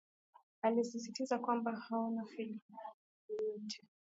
akisistiza kwamba hauna faida yoyote